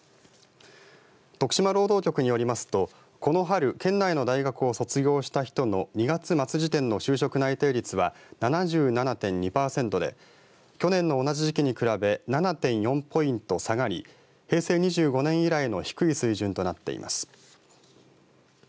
徳島労働局によりますとこの春県内の大学を卒業した人の２月末時点の就職内定率は７７．２パーセントで去年の同じ時期に比べ７．４ポイント下がり平成２５年以来の低い水準となっています。